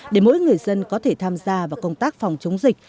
để mỗi người dân có thể tham gia vào công tác phòng chống dịch